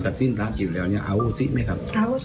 หลับ